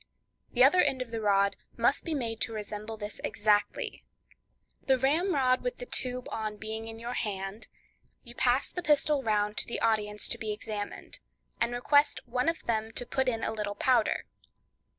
The other end of the rod must be made to resemble this exactly. The ramrod with the tube on being in your hand, you pass the pistol round to the audience to be examined, and request one of them to put in a little powder.